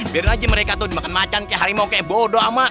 biar aja mereka tuh dimakan macan kayak harimau kayak bodoh sama